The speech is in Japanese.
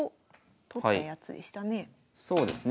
そうですね。